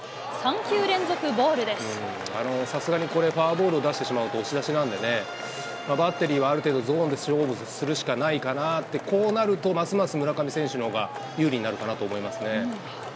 さすがにこれ、フォアボールを出してしまうと押し出しなんでね、バッテリーはある程度ゾーンで勝負するしかないかなって、こうなるとますます村上選手のほうが有利になるかなと思いますね。